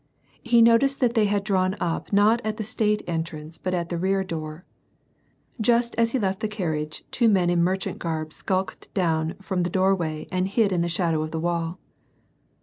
He noticed that they had drawn up not at the state entrance bnt at the rear door. Just as he left the carriage two men in merchant garb skulked down from the doorway and hid in the shadow of the wall.